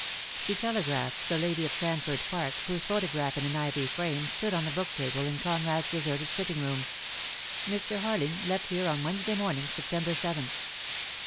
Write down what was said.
She telegraphed to the lady of Cranford Park, whose photograph in an ivory frame stood on the book table in Conrad's deserted sitting room: 86 DEAD LOVE HAS CHAINS. "Mr. Harling left here on Wednesday morning, September 7th."